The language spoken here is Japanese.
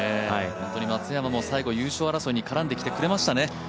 松山も最後、優勝争いに絡んできてくれましたね。